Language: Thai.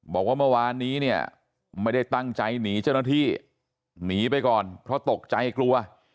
บอกว่าเมื่อวานนี้เนี่ยไม่ได้ตั้งใจหนีเจ้าหน้าที่หนีไปก่อนเพราะตกใจกลัว